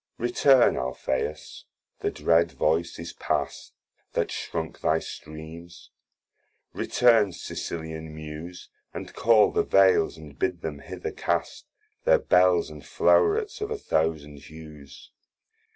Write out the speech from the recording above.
Return Alpheus, the dread voice is past, That shrunk thy streams; Return Sicilian Muse, And call the Vales, and bid them hither cast Their Bels, and Flourets of a thousand hues.